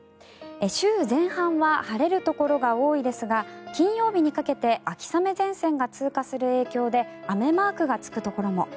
週前半は晴れるところが多いですが金曜日にかけて秋雨前線が通過する影響で雨マークがつくところも。